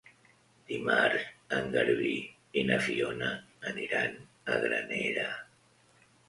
Dimarts en Garbí i na Fiona aniran a Granera.